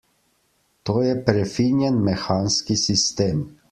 To je prefinjen mehanski sistem!